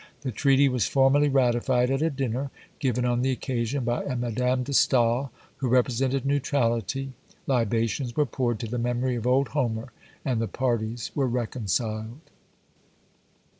The treaty was formally ratified at a dinner, given on the occasion by a Madame De Staël, who represented "Neutrality." Libations were poured to the memory of old Homer, and the parties were reconciled.